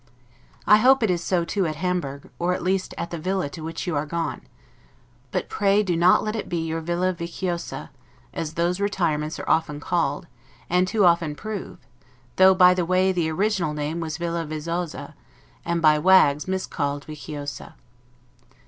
I hope it is so, too, at Hamburg, or at least at the villa to which you are gone; but pray do not let it be your 'villa viciosa', as those retirements are often called, and too often prove; though, by the way, the original name was 'villa vezzosa'; and by wags miscalled 'viciosa'.